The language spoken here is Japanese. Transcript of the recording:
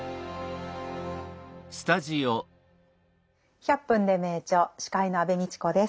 「１００分ｄｅ名著」司会の安部みちこです。